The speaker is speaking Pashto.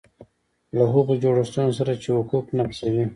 له هغو جوړښتونو سره چې حقوق نقضوي.